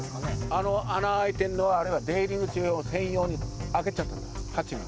あの穴開いてるのは出入り口を専用に開けちゃったんです、ハチが。